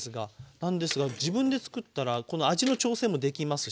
なんですが自分でつくったらこの味の調整もできますし。